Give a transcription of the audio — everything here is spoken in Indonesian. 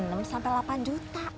enam sampai delapan juta